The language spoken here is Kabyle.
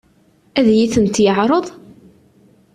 Ad iyi-tent-yeɛṛeḍ?